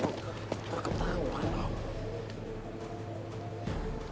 tuh kebetulan dong